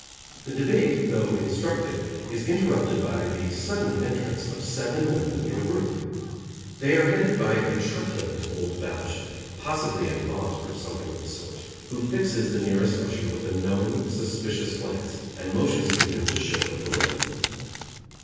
The debate, though instructive, is interrupted by the sudden entrance of seven women in a group. They are headed by a truculent old battleship, possibly an aunt or something of the sort, who fixes the nearest usher with a knowing, suspicious glance, and motions to him to show her the way.